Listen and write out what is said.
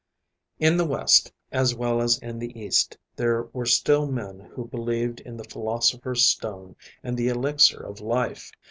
In the West, as well as in the East, there were still men who believed in the Philosopher's Stone and the Elixir of Life.